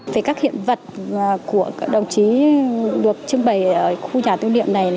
về các hiện vật của đồng chí được trưng bày ở khu nhà tư niệm này